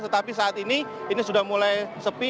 tetapi saat ini ini sudah mulai sepi